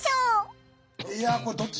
いやこれどっち